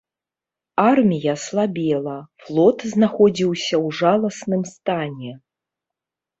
Армія слабела, флот знаходзіўся ў жаласным стане.